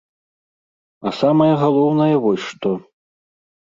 А самае галоўнае вось што.